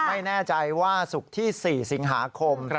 ไม่แน่ใจว่าศุกร์ที่๔สิงหาคม